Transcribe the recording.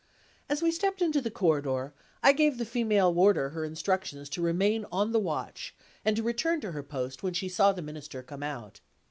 As we stepped into the corridor, I gave the female warder her instructions to remain on the watch, and to return to her post when she saw the Minister come out.